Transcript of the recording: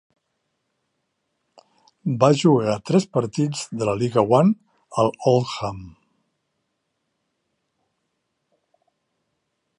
Va jugar tres partits de la League One al Oldham.